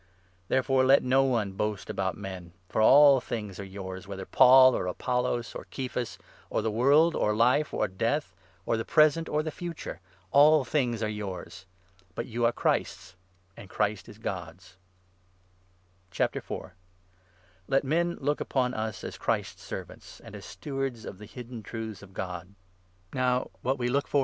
Therefore let no one boast about men ; for all things are 21 yours — whether Paul, or Apollos, or Kephas, or the world, or 22 life, or death, or the present, or the future — all things are yours ! But you are Christ's and Christ is God's. 23 Let men look upon us as Christ's servants, and as stewards i 4 of the hidden truths of God. Now what we look for in 2 19 Job 5. jj, 13.